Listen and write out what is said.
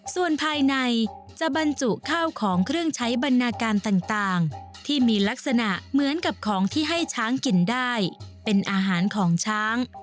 ส่วนภายในจะบรรจุข้าวของเครื่องใช้บรรณาการต่างที่มีลักษณะเหมือนกับของที่ให้ช้างกินได้เป็นอาหารของช้าง